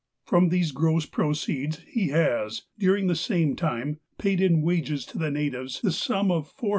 From these gross proceeds he has, during the same time, paid iu wages to the natives the sum of $481,043.